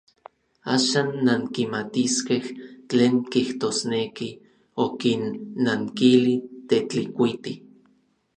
Axan nankimatiskej tlen kijtosneki, okinnankili Tetlikuiti.